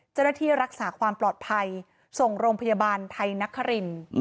เจ้าหน้าที่รักษาความปลอดภัยส่งโรงพยาบาลไทยนคริน